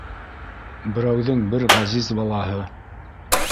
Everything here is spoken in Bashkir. — Берәүҙең бер ғәзиз балаһы